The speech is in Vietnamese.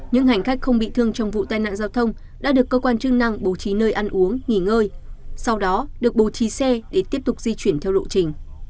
những hành khách không bị thương trong vụ tai nạn giao thông đã được cơ quan chức năng bố trí nơi ăn uống nghỉ ngơi sau đó được bố trí xe để tiếp tục di chuyển theo lộ trình